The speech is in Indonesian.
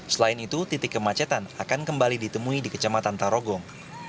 selain itu titik kemacetan akan kembali ditemui di kecamatan tarogong